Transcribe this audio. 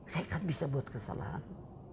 saya kan bisa buat kesalahan